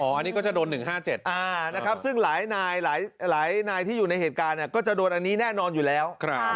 อันนี้ก็จะโดน๑๕๗นะครับซึ่งหลายนายหลายนายที่อยู่ในเหตุการณ์ก็จะโดนอันนี้แน่นอนอยู่แล้ว